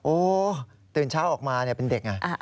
ตื่นเช้าออกมาเป็นเด็กไง